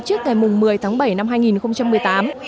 trước ngày một mươi tháng bảy năm hai nghìn một mươi tám